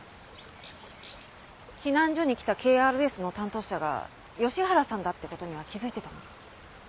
避難所に来たＫＲＳの担当者が吉原さんだって事には気づいてたの？